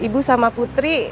ibu sama putri